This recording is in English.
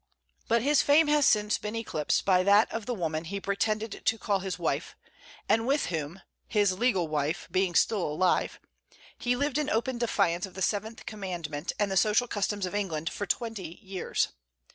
But his fame has since been eclipsed by that of the woman he pretended to call his wife, and with whom (his legal wife being still alive) he lived in open defiance of the seventh Commandment and the social customs of England for twenty years.